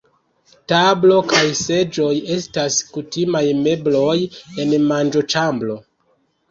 Tablo kaj seĝoj estas kutimaj mebloj en manĝoĉambro.